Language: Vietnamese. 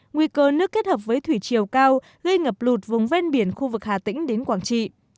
nguy cơ nước kết hợp với thủy chiều cao gây ngập lụt vùng ven biển khu vực hà tĩnh đến quảng trị